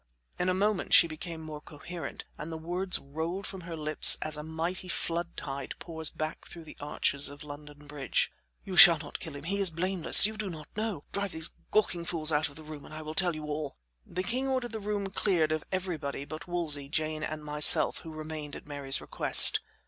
In a moment she became more coherent, and the words rolled from her lips as a mighty flood tide pours back through the arches of London Bridge. "You shall not kill him; he is blameless; you do not know. Drive these gawking fools out of the room, and I will tell you all." The king ordered the room cleared of everybody but Wolsey, Jane and myself, who remained at Mary's request.